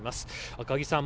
赤木さん